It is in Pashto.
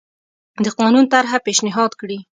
د قانون طرحه پېشنهاد کړي.